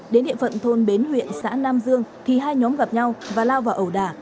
đến địa phận thôn bến huyện xã nam dương thì hai nhóm gặp nhau và lao vào ẩu đả